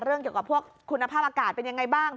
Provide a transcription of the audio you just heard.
เกี่ยวกับพวกคุณภาพอากาศเป็นยังไงบ้าง